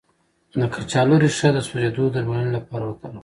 د کچالو ریښه د سوځیدو د درملنې لپاره وکاروئ